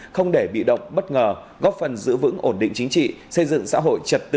không để bị động bất ngờ góp phần giữ vững ổn định chính trị xây dựng xã hội trật tự